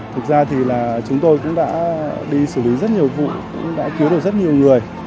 thực ra thì là chúng tôi cũng đã đi xử lý rất nhiều vụ cũng đã cứu được rất nhiều người